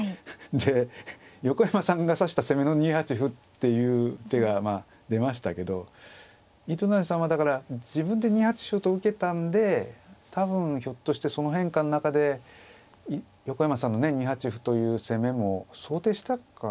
で横山さんが指した攻めの２八歩っていう手がまあ出ましたけど糸谷さんはだから自分で２八歩と受けたんで多分ひょっとしてその変化の中で横山さんのね２八歩という攻めも想定してたかもしれませんね。